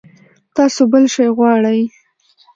تاسو بل شی غواړئ؟